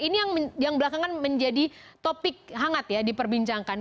ini yang belakangan menjadi topik hangat ya diperbincangkan